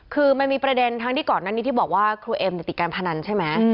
คือมันมีประเด็นทั้งที่ก่อนหน้านี้ที่บอกว่าครูเอ็มติดการพนันใช่ไหม